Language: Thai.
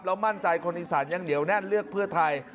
แล้วมั่นใจคนอีสานยังเหนียวแน่นเลือกเพื่อไทย